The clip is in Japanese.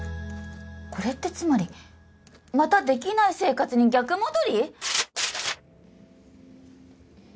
これってつまりまたできない生活に逆戻り？